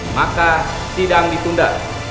maka sidang ditunda